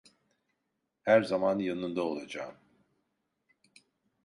Her zaman yanında olacağım.